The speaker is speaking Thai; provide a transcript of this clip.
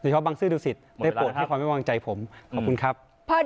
เฉพาะบังซื้อดูสิตได้โปรดให้ความไว้วางใจผมขอบคุณครับ